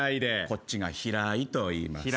こっちが平井といいます。